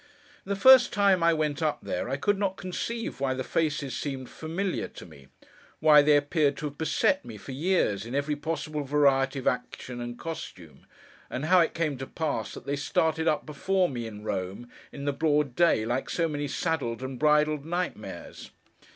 The first time I went up there, I could not conceive why the faces seemed familiar to me; why they appeared to have beset me, for years, in every possible variety of action and costume; and how it came to pass that they started up before me, in Rome, in the broad day, like so many saddled and bridled nightmares.